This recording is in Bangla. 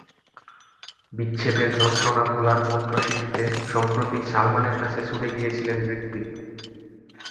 বিচ্ছেদের যন্ত্রণা ভোলার মন্ত্র শিখতে সম্প্রতি সালমানের কাছে ছুটে গিয়েছিলেন হৃতিক।